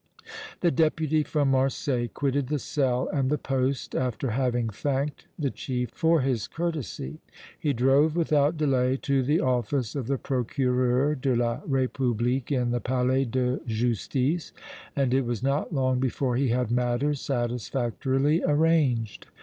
The Deputy from Marseilles quitted the cell and the poste, after having thanked the chief for his courtesy. He drove without delay to the office of the Procureur de la République in the Palais de Justice, and it was not long before he had matters satisfactorily arranged.